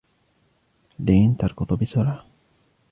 لين تركض بسرعة.